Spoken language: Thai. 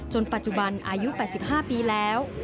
ปัจจุบันอายุ๘๕ปีแล้ว